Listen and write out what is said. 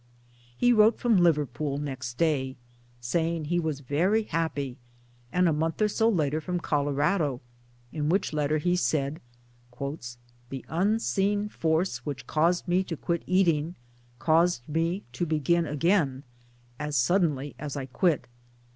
He wrote from Liverpool next day, saying he was very happy ; and a month or so later from Colorado in which letter he said, " The unseen force which caused me to quit eating caused me to begin again (as suddenly as I quit).